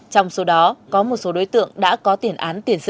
trong số đó có một số đối tượng đã có tiền án tiền sự